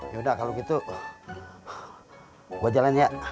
yaudah kalau gitu gue jalan ya